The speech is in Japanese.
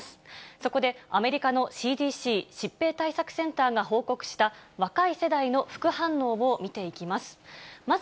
そこで、アメリカのＣＤＣ・疾病対策センターが報告した、若い世代の副反応を見ていきます。